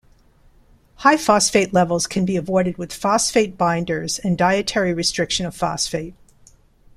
High phosphate levels can be avoided with phosphate binders and dietary restriction of phosphate.